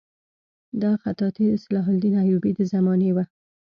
دا خطاطي د صلاح الدین ایوبي د زمانې وه.